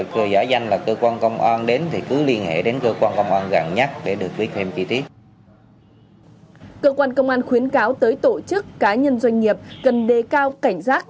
cơ quan công an khuyến cáo tới tổ chức cá nhân doanh nghiệp cần đề cao cảnh giác